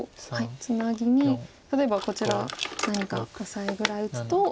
ツナギに例えばこちら何かオサエぐらい打つと。